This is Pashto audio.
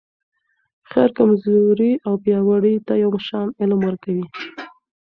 خير کمزورې او پیاوړي ته یو شان علم ورکوي.